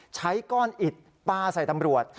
ใช้ก้อนอิดปลาใส่ตำรวจ